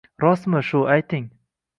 Rostmi shu, ayting?!